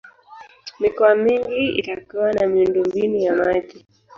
mikoa mingi itakuwa na miundombinu ya maji